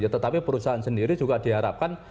tetapi perusahaan sendiri juga diharapkan